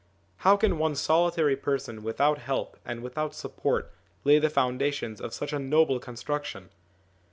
How can one solitary person without help and without support lay the foundations of such a noble construction